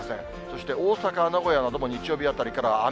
そして大阪、名古屋はどうも日曜日あたりから雨。